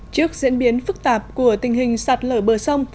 trước diễn biến phức tạp của tình hình sạt lở bờ sông